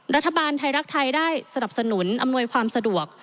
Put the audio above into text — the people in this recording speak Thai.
รัฐบาลไทยรักไทยได้สนับสนุนอำนวยความสะดวก